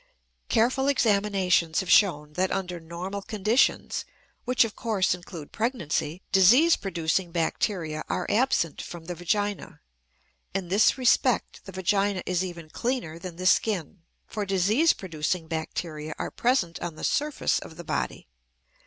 Careful examinations have shown that under normal conditions, which of course include pregnancy, disease producing bacteria are absent from the vagina; in this respect the vagina is even cleaner than the skin, for disease producing bacteria are present on the surface of the body.